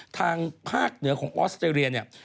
ทางภาคเหนือของออสเตรเลียเนี่ย